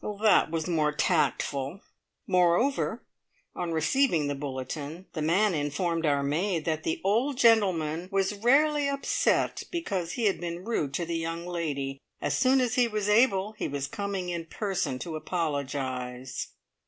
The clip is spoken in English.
That was more tactful! Moreover, on receiving the bulletin, the man informed our maid that the old gentleman was rarely upset because he had been rude to the young lady. As soon as he was able he was coming in person to apologise.